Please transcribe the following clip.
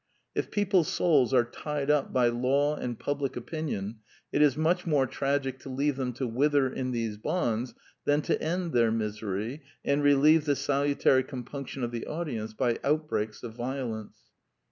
If people's souls are tied up by law and public opinion it is much more tragic to leave them to wither in these bonds than to end their misery and relieve the salutary com punction of the audience by outbreaks of violence.